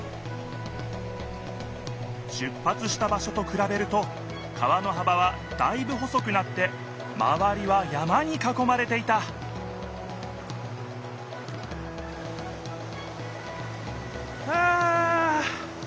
出ぱつした場しょとくらべると川のはばはだいぶ細くなってまわりは山にかこまれていたはあ！